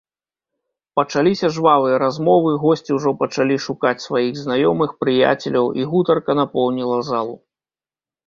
Пачаліся жвавыя размовы, госці ўжо пачалі шукаць сваіх знаёмых, прыяцеляў, і гутарка напоўніла залу.